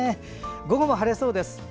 午後も晴れそうです。